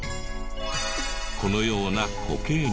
このような固形に。